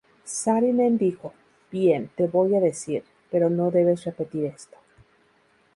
Saarinen dijo, “Bien, te voy a decir, pero no debes repetir esto.